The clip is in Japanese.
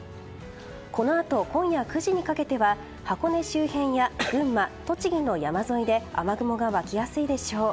このあと今夜９時にかけては箱根周辺や群馬、栃木の山沿いで雨雲が湧きやすいでしょう。